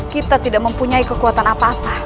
kita tidak mempunyai kekuatan apa apa